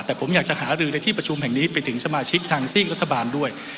แต่ผมอยากจะหารือในที่ประชุมแห่งนี้ไปถึงสมาชิกทางซีกรัฐบาลด้วย